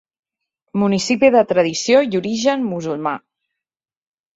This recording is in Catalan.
Municipi de tradició i origen musulmà.